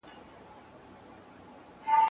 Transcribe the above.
ولي مورنۍ ژبه د زده کړې ګډون زياتوي؟